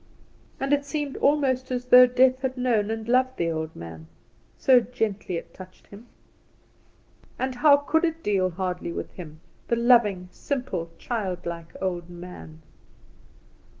And it seemed almost as though Death had known and loved the old man, so gently it touched him. And how could it deal hardly with him the loving, simple, childlike old man?